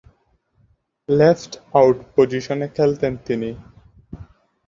Left out পজিশনে খেলতেন তিনি।